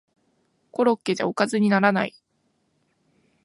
コロッケじゃおかずにならない